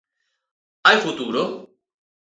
Hai futuro?